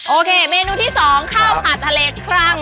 โอเคเมนูที่๒ข้าวผัดทะเลครั่ง